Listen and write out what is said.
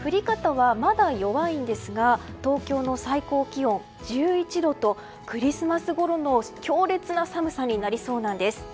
降り方は、まだ弱いんですが東京の最高気温１１度とクリスマスごろの強烈な寒さになりそうなんです。